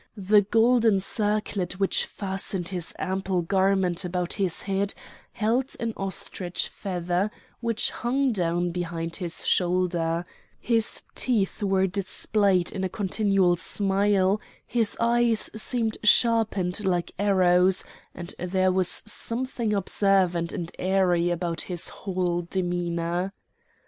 The golden circlet which fastened his ample garment about his head held an ostrich feather which hung down behind his shoulder; his teeth were displayed in a continual smile; his eyes seemed sharpened like arrows, and there was something observant and airy about his whole demeanour.